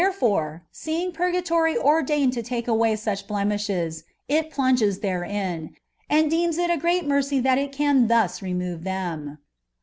Therefore, seeing purgatory ordained to take away such blem ishes, it plunges therein, and deems it a great mercy that it can thus remove them.